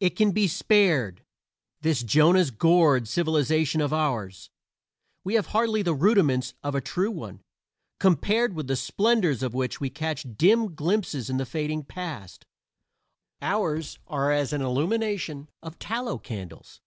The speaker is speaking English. It can be spared this Jonah's gourd civilization of ours. We have hardly the rudiments of a true one; compared with the splendors of which we catch dim glimpses in the fading past, ours are as an illumination of tallow candles.